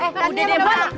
eh udah deh mak